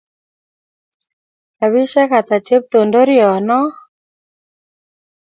robishiek hata cheptondoriono?